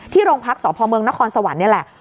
ที่โรงพักศ์สพเมร์งนฮสพเนี่ยแหละ